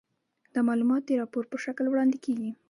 دا معلومات د راپور په شکل وړاندې کیږي.